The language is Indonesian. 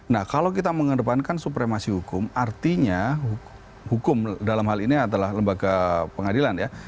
nah kalau kita mengedepankan supremasi hukum artinya hukum dalam hal ini adalah lembaga pengadilan ya